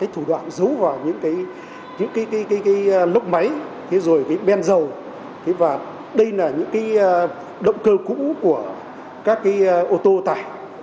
thủ đoạn giấu vào những cái lốc máy cái ben dầu và đây là những cái động cơ cũ của các cái ô tô tải